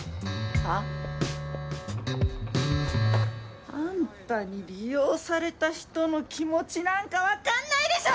は？あんたに利用された人の気持ちなんか分かんないでしょ